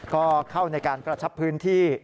ก็เข้าในการกระชับพื้นที่